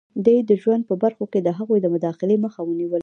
دوی د ژوند په برخو کې د هغوی د مداخلې مخه ونیوله.